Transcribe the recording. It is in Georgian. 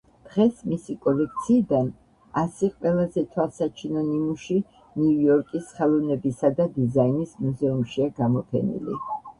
დღეს მისი კოლექციიდან ასი ყველაზე თვალსაჩინო ნიმუში ნიუ-იორკის ხელოვნებისა და დიზაინის მუზეუმშია გამოფენილი.